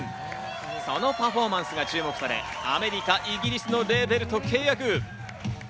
そのパフォーマンスが注目され、アメリカ、イギリスのレーベルと契約。